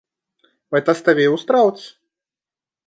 Vai tas tevi uztrauc?